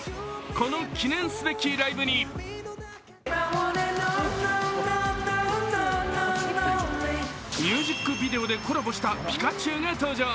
この記念すべきライブにミュージックビデオでコラボしたピカチュウが登場。